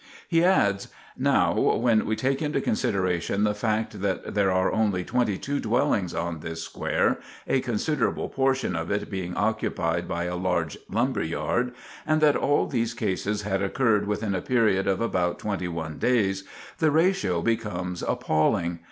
He adds: "Now, when we take into consideration the fact that there are only twenty two dwellings on this square (a considerable portion of it being occupied by a large lumber yard), and that all these cases had occurred within a period of about twenty one days, the ratio becomes appalling.